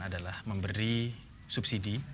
adalah memberi subsidi